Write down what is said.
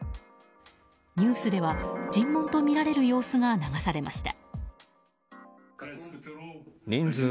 ニュースでは尋問とみられる様子が流されました。